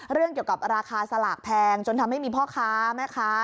เรื่องเกี่ยวกับราคาสลากแพงจนทำให้มีพ่อค้าแม่ค้า